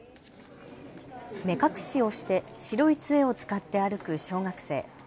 目隠しをして白いつえを使って歩く小学生。